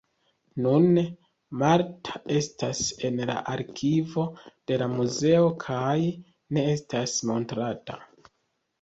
Nune, Martha estas en la arkivo de la muzeo kaj ne estas montrata.